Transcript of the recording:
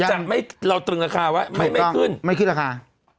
จะไม่เราตรึงราคาไว้ไม่ขึ้นไม่ขึ้นราคา